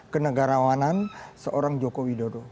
kenegarawanan seorang joko widodo